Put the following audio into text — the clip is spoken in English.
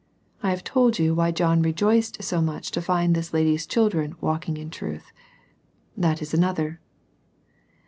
I have told you why John rejoiced so much to find this lady's children walking in truth. — That is another.